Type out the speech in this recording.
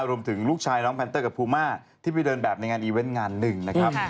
ลูกชายน้องแพนเตอร์กับภูมาที่ไปเดินแบบในงานอีเวนต์งานหนึ่งนะครับ